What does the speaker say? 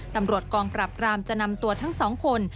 ตำรวจกองปรับรามจะนำตัวทั้งสองคน